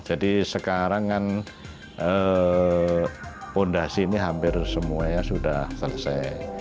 jadi sekarang kan fondasi ini hampir semuanya sudah selesai